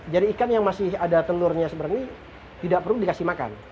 jadi ikan yang masih ada telurnya sebenarnya tidak perlu dikasih makan